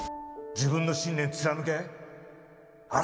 自分の信念貫け新！